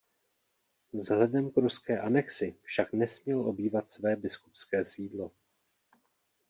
Vzhledem k ruské anexi však nesměl obývat své biskupské sídlo.